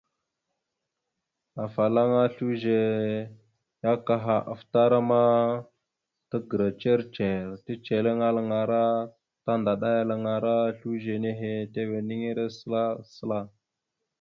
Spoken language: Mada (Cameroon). Afalaŋana slʉze ya kaha afətaràma tagəra ndzir ndzir ticeliŋalara tandaɗalalaŋara slʉze nehe tiweniŋire səla səla.